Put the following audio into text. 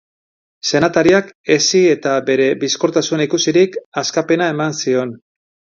Senatariak hezi eta bere bizkortasuna ikusirik, askapena eman zion.